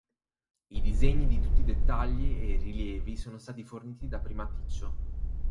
I disegni di tutti i dettagli e rilievi sono stati forniti da Primaticcio.